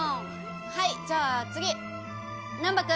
はいじゃあ次難破君。